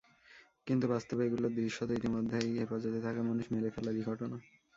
কিন্তু বাস্তবে এগুলো দৃশ্যত ইতিমধ্যেই হেফাজতে থাকা মানুষ মেরে ফেলারই ঘটনা।